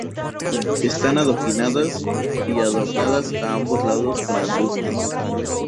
Están adoquinadas, y adornadas a ambos lados con arbustos.